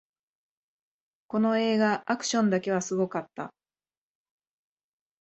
この映画、アクションだけはすごかった